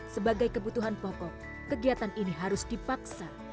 sebagai kebutuhan pokok kegiatan ini harus dipaksa